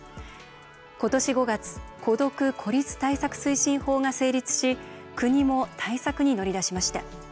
今年５月「孤独・孤立対策推進法」が成立し国も対策に乗り出しました。